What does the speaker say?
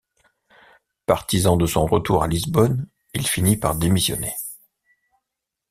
Partisan de son retour à Lisbonne, il finit par démissionner.